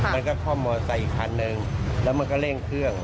มันก็คล่อมมอเตอร์ไซส์อีกครั้งหนึ่งแล้วมันก็เร่งเครื่อง